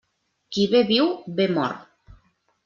Qui bé viu, bé mor.